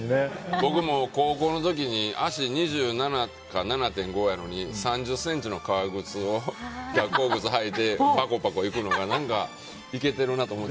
僕も高校の時に足は２７か２７．５なのに３０ｃｍの革靴を学校に履いてパコパコいくのがいけてるなと思ってた。